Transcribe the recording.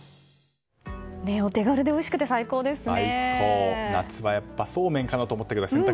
お手軽でおいしくて最高ですね。